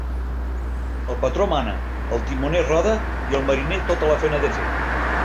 El patró mana, el timoner roda i el mariner tota la faena ha de fer.